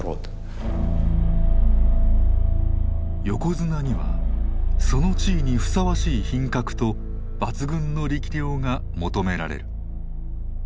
横綱にはその地位にふさわしい品格と抜群の力量が求められる。